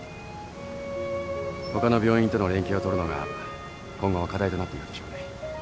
他の病院との連携を取るのが今後は課題となっていくでしょうね。